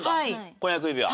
婚約指輪。